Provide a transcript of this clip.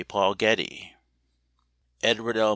Paul Getty. 77 Edward L.